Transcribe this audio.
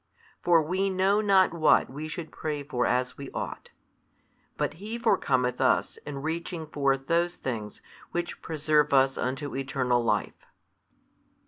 For we know not what we should pray for as we ought, but He forecometh us in reaching forth those things which preserve us unto eternal life.